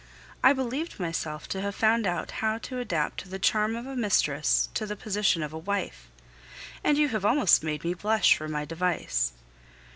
I believed myself to have found out how to adapt the charm of a mistress to the position of a wife, and you have almost made me blush for my device.